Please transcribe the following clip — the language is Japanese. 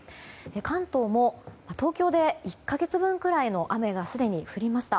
関東も東京で１か月分くらいの雨がすでに降りました。